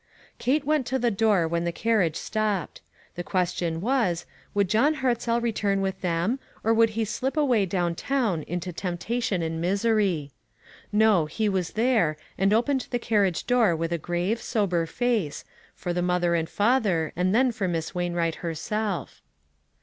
Kate went to the door when the carriage stopped. The question was, would John Hartzell return with them, or would he slip away down town into temptation and misery? No ; he was there, and opened the carriage door with a grave, sober face, for the mother and father, and then for Miss Wuinvvright herself.